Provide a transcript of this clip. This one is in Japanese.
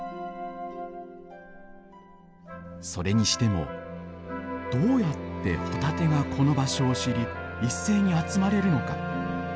それにしてもどうやってホタテがこの場所を知り一斉に集まれるのか。